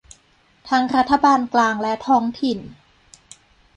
ทั้งรัฐบาลกลางและท้องถิ่น